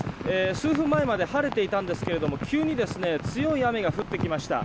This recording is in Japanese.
数分前まで晴れていたんですが急に強い雨が降ってきました。